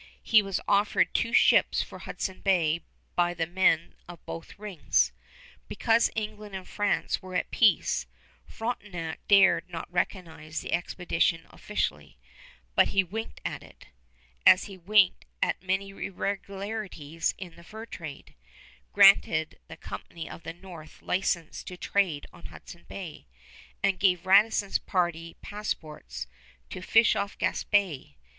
He was offered two ships for Hudson Bay by the men of both rings. Because England and France were at peace, Frontenac dared not recognize the expedition officially; but he winked at it, as he winked at many irregularities in the fur trade, granted the Company of the North license to trade on Hudson Bay, and gave Radisson's party passports "to fish off Gaspé."